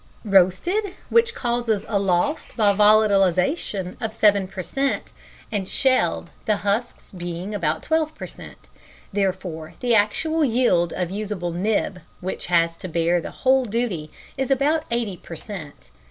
roasted, which causes a loss by volatilisation of 7 per cent.; and shelled, the husks being about 12 per cent. Therefore, the actual yield of usable nib, which has to bear the whole duty, is about 80 per cent.